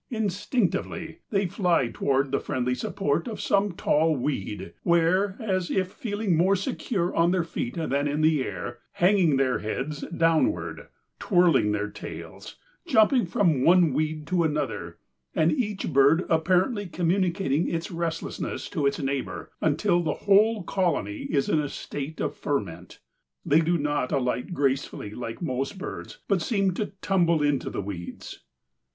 Instinctively they fly toward the friendly support of some tall weed where, as if feeling more secure on their feet than in the air, they resume their antics, hanging their heads downward, twirling their tails, jumping from one weed to another, and each bird apparently communicating its restlessness to its neighbor, until the whole colony is in a state of ferment. They do not alight gracefully like most birds, but seem to tumble into the weeds."